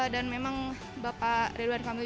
dan memang bapak ridwan kamil